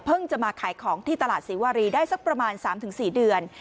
จะมาขายของที่ตลาดศรีวารีได้สักประมาณ๓๔เดือน